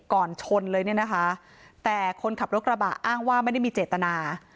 ก่อนชนเลยเนี่ยนะคะแต่คนขับรถกระบะอ้างว่าไม่ได้มีเจตนา